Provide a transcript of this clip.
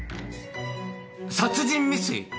殺人未遂！？